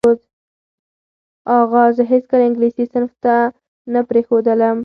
اغا زه هیڅکله انګلیسي صنف ته پرې نه ښودلم.